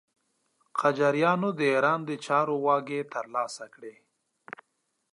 قاجاریان د ایران د چارو واګې تر لاسه کړې.